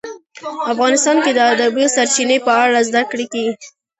افغانستان کې د د اوبو سرچینې په اړه زده کړه کېږي.